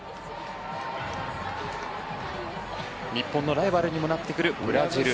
日本のライバルにもなってくるブラジル